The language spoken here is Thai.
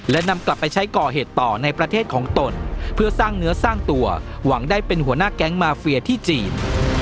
และนำกลับไปใช้ก่อเหตุต่อในประเทศของตนเพื่อสร้างเนื้อสร้างตัวหวังได้เป็นหัวหน้าแก๊งมาเฟียที่จีน